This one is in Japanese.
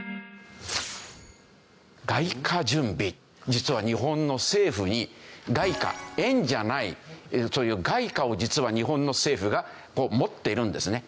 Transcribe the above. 実は日本の政府に外貨円じゃない外貨を実は日本の政府が持っているんですね。